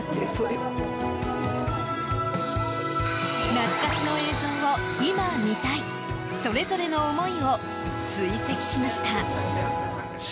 懐かしの映像を今見たいそれぞれの思いを追跡しました。